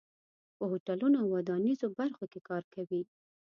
په هوټلونو او ودانیزو برخو کې کار کوي.